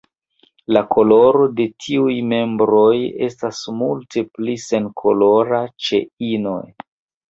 La koloro de tiuj membroj estas multe pli senkolora ĉe inoj.